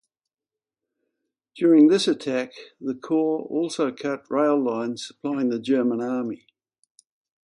During this attack, the Corps also cut rail lines supplying the German Army.